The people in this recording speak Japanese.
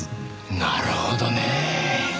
なるほどね。